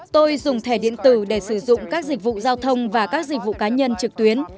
tôi dùng thẻ điện tử để sử dụng các dịch vụ giao thông và các dịch vụ cá nhân trực tuyến